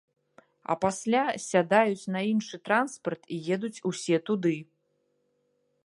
А пасля сядаюць на іншы транспарт і едуць усе туды!